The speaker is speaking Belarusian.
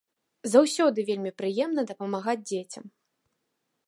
Заўсёды вельмі прыемна дапамагаць дзецям.